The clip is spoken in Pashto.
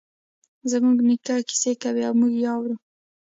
زموږ نیکه کیسې کوی او موږ یی اورو